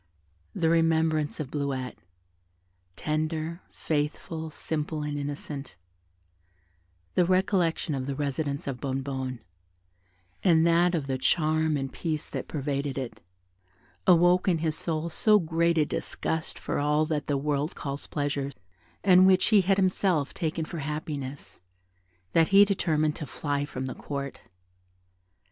The remembrance of Bleuette, tender, faithful, simple, and innocent; the recollection of the residence of Bonnebonne, and that of the charm and peace that pervaded it, awoke in his soul so great a disgust for all that the world calls pleasure, and which he had himself taken for happiness, that he determined to fly from the Court.